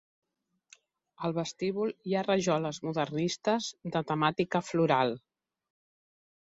Al vestíbul hi ha rajoles modernistes de temàtica floral.